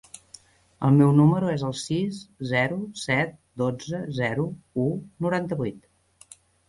El meu número es el sis, zero, set, dotze, zero, u, noranta-vuit.